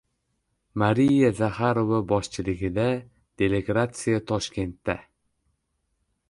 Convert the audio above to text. Mariya Zaxarova boshchiligidagi delegatsiya Toshkentda